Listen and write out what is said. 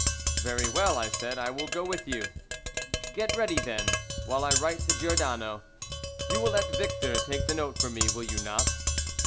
"Very well," I said, "I will go with you." "Get ready, then, while I write to Giordano. You will let Victor take the note for me, will you not?"